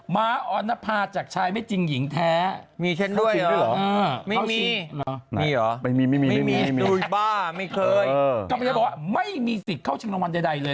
มาออนภาจากชายไม่จริงหญิงแท้ไม่มีสิทธิ์เข้าชิงรางวัลใดเลย